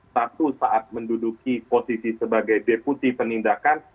satu saat menduduki posisi sebagai deputi penindakan